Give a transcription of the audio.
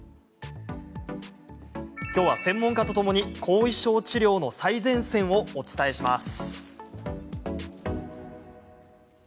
きょうは専門家とともに後遺症治療の最前線をお伝えします。